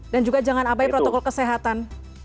dan juga jangan abai protokol kesehatan